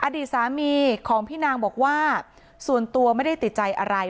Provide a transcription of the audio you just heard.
อดีตสามีของพี่นางบอกว่าส่วนตัวไม่ได้ติดใจอะไร